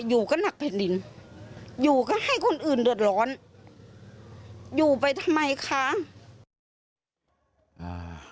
อยู่ก็หนักแผ่นดินอยู่ก็ให้คนอื่นเดือดร้อนอยู่ไปทำไมคะอ่า